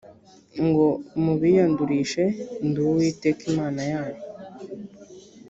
ngo mubiyandurishe ndi uwiteka imana yanyu